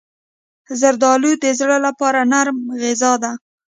زردالو د زړه لپاره نرم غذا ده.